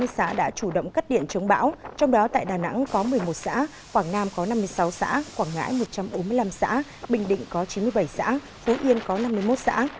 ba mươi xã đã chủ động cắt điện chống bão trong đó tại đà nẵng có một mươi một xã quảng nam có năm mươi sáu xã quảng ngãi một trăm bốn mươi năm xã bình định có chín mươi bảy xã phú yên có năm mươi một xã